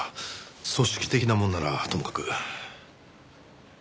組織的なものならともかく。